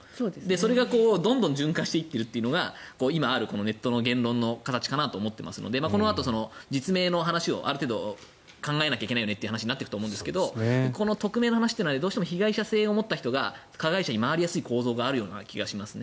それがどんどん循環していっているのが今のネットの言論の形かなと思っているのでこのあと実名の話をある程度考えないといけないよねとなっていくと思いますが匿名の話というのはどうしても被害者性を持った人が加害者に回りやすい構造がある気がします。